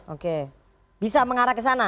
oke bisa mengarah ke sana